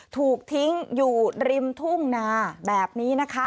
ถูกทิ้งอยู่ริมทุ่งนาแบบนี้นะคะ